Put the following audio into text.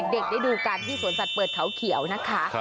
เด็กได้ดูกันที่สวนสัตว์เปิดเขาเขียวนะคะ